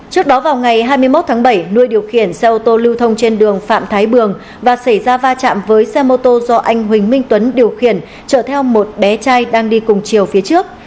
trước đó vào ngày hai mươi một tháng bảy nuôi điều khiển xe ô tô lưu thông trên đường phạm thái bường và xảy ra va chạm với xe mô tô do anh huỳnh minh tuấn điều khiển chở theo một bé trai đang đi cùng chiều phía trước